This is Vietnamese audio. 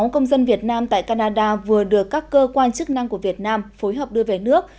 hai trăm bảy mươi sáu công dân việt nam tại canada vừa được các cơ quan chức năng của việt nam phối hợp đưa về nước